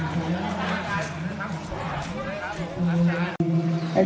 ภารกิจสัตว์อเมริกา